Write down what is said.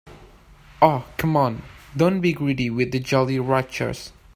Oh, come on, don't be greedy with the Jolly Ranchers.